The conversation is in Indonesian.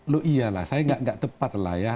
loh iyalah saya tidak tepatlah ya